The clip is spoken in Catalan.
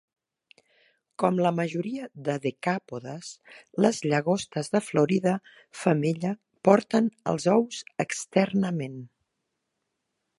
Com la majoria de decàpodes, les llagostes de Florida femella porten els ous externament.